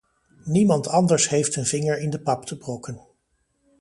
Niemand anders heeft een vinger in de pap te brokken.